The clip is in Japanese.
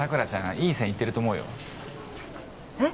いい線いってると思うよえっ？